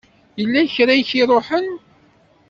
Yella kra i k-iruḥen?